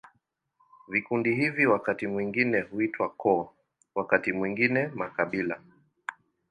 Vikundi hivi wakati mwingine huitwa koo, wakati mwingine makabila.